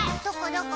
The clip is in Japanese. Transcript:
どこ？